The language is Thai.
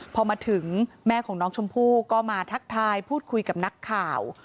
พอมาถึงแม่ของน้องชมพู่ก็มาทักทายพูดคุยกับนักข่าว